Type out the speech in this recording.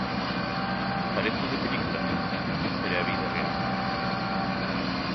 Parece de película pero é a vida real.